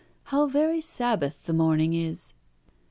How very Sabbath the morning is!"